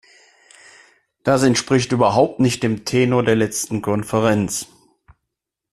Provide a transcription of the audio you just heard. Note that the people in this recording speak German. Das entspricht überhaupt nicht dem Tenor der letzten Konferenz.